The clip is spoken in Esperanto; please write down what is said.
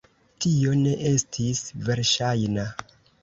Tio ne estis verŝajna.